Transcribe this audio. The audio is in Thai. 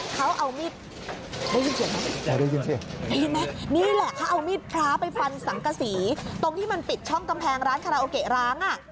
เขาเอามีดพระไปฟันสังกระศรีตรงที่มันปิดช่องกำแพงร้านคาราโอเกะร้าง